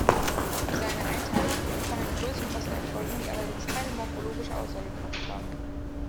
Seine Einteilung kann in Größenklassen erfolgen, die allerdings keine morphologische Aussagekraft haben.